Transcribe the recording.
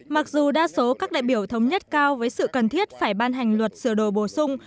mặc dù đa số các đại biểu thống nhất cao với sự cần thiết phải ban hành luật sửa đổi bổ sung